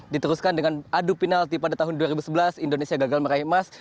diteruskan dengan adu penalti pada tahun dua ribu sebelas indonesia gagal meraih emas